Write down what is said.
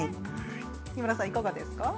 木村さん、いかがですか？